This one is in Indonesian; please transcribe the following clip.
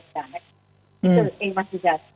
itu yang masih ada